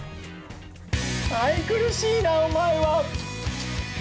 ◆愛くるしいな、おまえは。